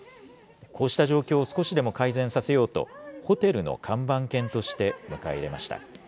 こうした状況を少しでも改善させようと、ホテルの看板犬として迎え入れました。